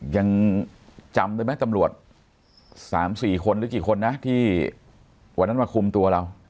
ยังจำได้ไหมตำรวจ๓๔คนหรือกี่คนนะที่วันนั้นมาคุมตัวเรา